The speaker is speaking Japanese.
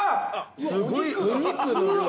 すごいお肉の量。